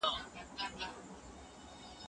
که فکري سرچينې سمي وکارول سي نو شعور لوړېږي.